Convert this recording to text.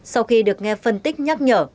sau khi được nghe phân tích nhắc nhở